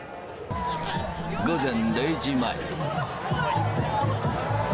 午前０時前。